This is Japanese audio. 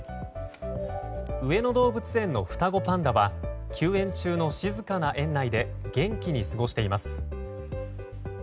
上野動物園の双子パンダは休園中の静かな園内で元気に過ごしています。